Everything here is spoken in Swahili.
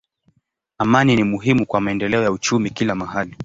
Amani ni muhimu kwa maendeleo ya uchumi kila mahali.